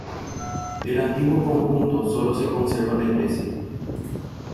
Del antiguo conjunto solo se conserva la iglesia.